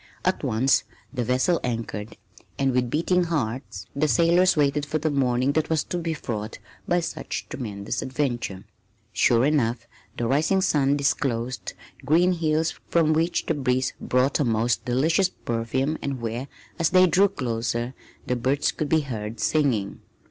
At once the vessels anchored, and with beating hearts the sailors waited for the morning that was to be fraught with such tremendous adventures. Sure enough the rising sun disclosed green hills from which the breeze brought a most delicious perfume and where, as they drew closer, the birds could be heard singing.